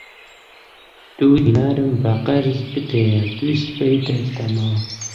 دوو دینارم بە قەرز بدەیە، دووسبەی دەتدەمەوە